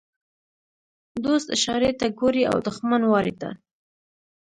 ـ دوست اشارې ته ګوري او دښمن وارې ته.